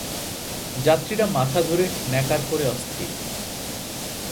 যাত্রীরা মাথা ধরে ন্যাকার করে অস্থির।